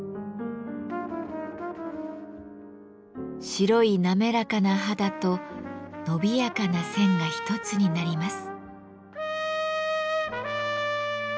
白い滑らかな肌と伸びやかな線が一つになります。